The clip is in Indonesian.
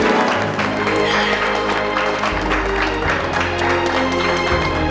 aku kabur banget